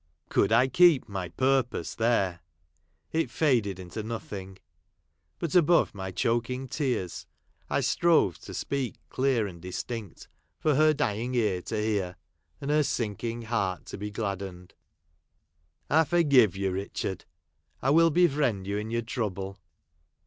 Could I keep my purpose there ? It faded into nothing. But above my choking tears, I strove to speak clear and distinct, for her dying ear to hear, and her sinking heart to be gladdened. " I forgive you, Richard ; I will befriend you in your trouble."